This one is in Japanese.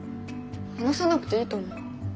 話さなくていいと思う。